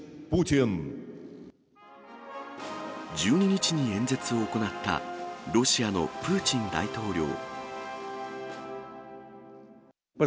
１２日に演説を行ったロシアのプーチン大統領。